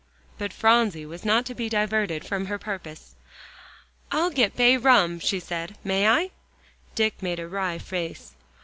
But Phronsie was not to be diverted from her purpose. "I'll get bay rum," she said. "May I?" Dick made a wry face.